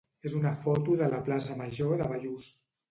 és una foto de la plaça major de Bellús.